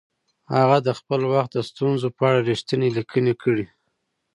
هغه د خپل وخت د ستونزو په اړه رښتیني لیکنې کړي.